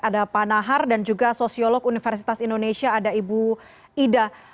ada pak nahar dan juga sosiolog universitas indonesia ada ibu ida